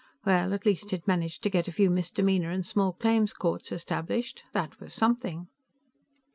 Well, at least he'd managed to get a few misdemeanor and small claims courts established; that was something.